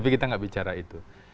tapi kita nggak bicara itu